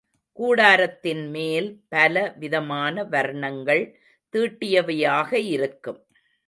கூடாரத்தின் மேல் பல விதமான வர்ணங்கள் தீட்டியவையாக இருக்கும்.